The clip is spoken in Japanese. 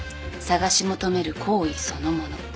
探し求める行為そのもの。